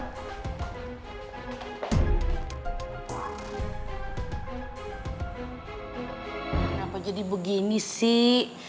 kenapa jadi begini sih